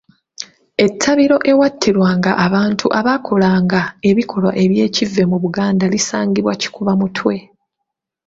Ettambiro ewattirwanga abantu abaakolanga ebikolwa eby’ekivve mu Buganda lisangibwa Kikubamutwe.